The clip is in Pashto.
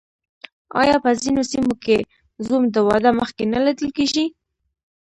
آیا په ځینو سیمو کې زوم د واده مخکې نه لیدل کیږي؟